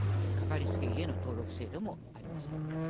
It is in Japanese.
かかりつけ医への登録制度もありません。